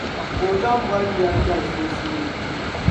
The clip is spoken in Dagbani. Ka o zaŋ mɔri nyɛli dari sunsuuni.